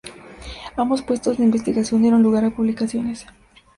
Ambos puestos de investigación dieron lugar a publicaciones.